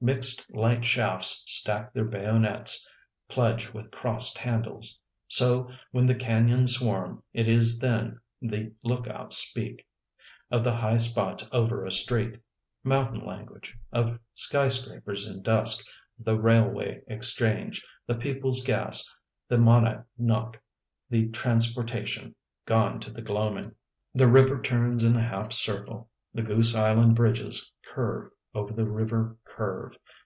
Mixed light shafts stack their bayonets, pledge with crossed handles. So, when the canyons swarm, it is then the lookouts speak Of the high spots over a street ... mountain language Of skyscrapers in dusk, the Railway Exchange, The People's Gas, the Monadnock, the Transportation, Gone to the gloaming. 1 6 The Windy City The river turns in a half circle. The Goose Island bridges curve over the river curve.